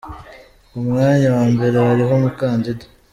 Ku mwanya wa mbere hariho umukandida